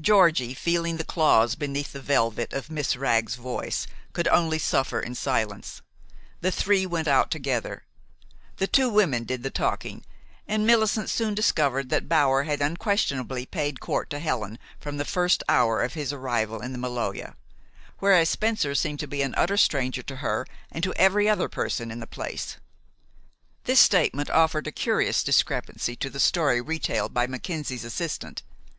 Georgie, feeling the claws beneath the velvet of Miss Wragg's voice, could only suffer in silence. The three went out together. The two women did the talking, and Millicent soon discovered that Bower had unquestionably paid court to Helen from the first hour of his arrival in the Maloja, whereas Spencer seemed to be an utter stranger to her and to every other person in the place. This statement offered a curious discrepancy to the story retailed by Mackenzie's assistant.